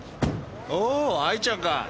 おお愛ちゃんか。